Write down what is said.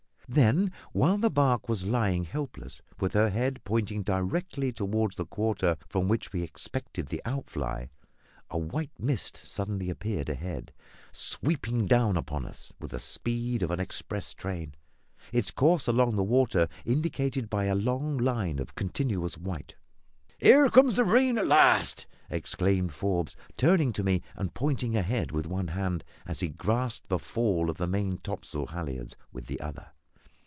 Then, while the barque was lying helpless, with her head pointing directly toward the quarter from which we expected the outfly, a white mist suddenly appeared ahead, sweeping down upon us with the speed of an express train, its course along the water indicated by a long line of continuous white. "Here comes the rain, at last!" exclaimed Forbes, turning to me and pointing ahead with one hand, as he grasped the fall of the main topsail halliards with the other.